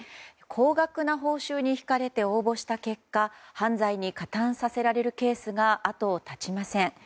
高額な報酬に引かれて応募した結果犯罪に加担させられるケースが後を絶ちません。